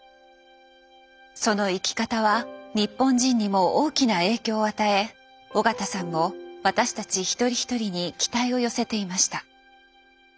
その生き方は日本人にも大きな影響を与え緒方さんも私たち一人一人に期待を寄せていました。